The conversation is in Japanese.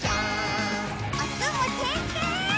おつむてんてん！